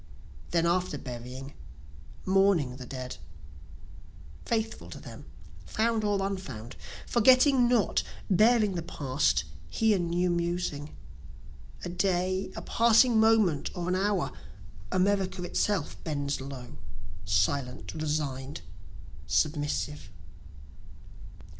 Then after burying, mourning the dead, (Faithful to them found or unfound, forgetting not, bearing the past, here new musing,) A day a passing moment or an hour America itself bends low, Silent, resign'd, submissive.